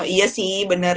iya sih bener